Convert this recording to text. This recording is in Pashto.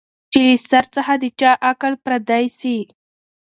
چي له سر څخه د چا عقل پردی سي